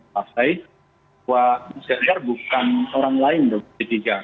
pak ganjar bukan orang lain dari p tiga